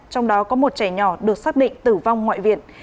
trong đó có một trẻ nhỏ được xác định tử vong ngoại viện